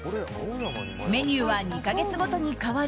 メニューは２か月ごとに変わり